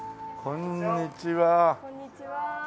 こんにちは。